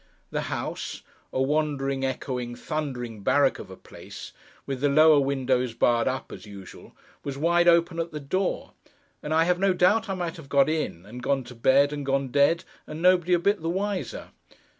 The house: a wandering, echoing, thundering barrack of a place, with the lower windows barred up, as usual, was wide open at the door: and I have no doubt I might have gone in, and gone to bed, and gone dead, and nobody a bit the wiser.